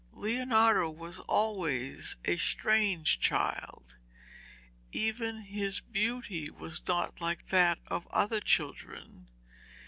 Leonardo was always a strange child. Even his beauty was not like that of other children.